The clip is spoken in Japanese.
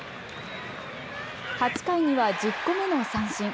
８回には１０個目の三振。